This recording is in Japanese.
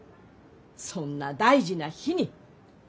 そんな大事な日に。